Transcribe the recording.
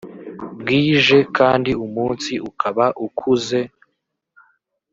bwije kandi umunsi ukaba ukuze